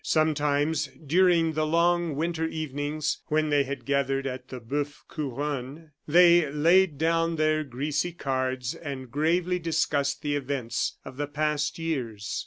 Sometimes, during the long winter evenings, when they had gathered at the Boeuf Couronne, they laid down their greasy cards and gravely discussed the events of the past years.